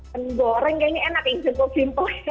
pengen goreng kayaknya enak yang cukup simple